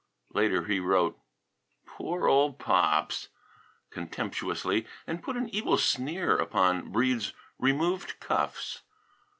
Later he wrote "Poor old Pops!" contemptuously, and put an evil sneer upon Breede's removed cuffs.